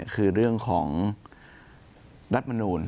คือเรื่องของรัฐมนูล